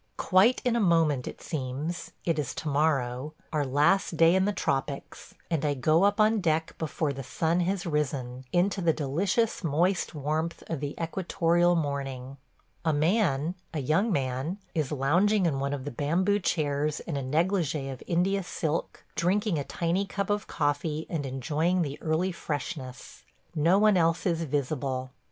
. Quite in a moment it seems, it is tomorrow – our last day in the tropics – and I go up on deck before the sun has risen, into the delicious moist warmth of the equatorial morning. A man – a young man – is lounging in one of the bamboo chairs in a négligé of India silk – drinking a tiny cup of coffee and enjoying the early freshness. No one else is visible.